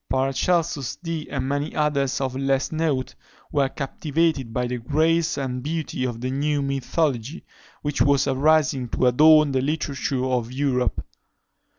Paracelsus, Dee, and many others of less note, were captivated by the grace and beauty of the new mythology, which was arising to adorn the literature of Europe.